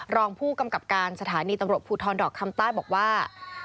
รองผู้กำกับการสถานีตำรวจภูทรดอกคำใต้บอกว่า